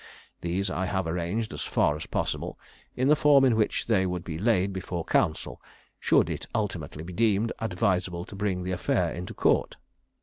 These I have arranged, as far as possible, in the form in which they would be laid before counsel, should it ultimately be deemed advisable to bring the affair into Court.